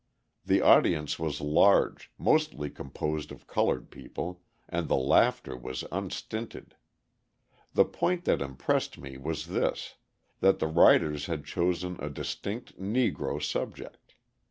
The audience was large, mostly composed of coloured people, and the laughter was unstinted. The point that impressed me was this, that the writers had chosen a distinct Negro subject.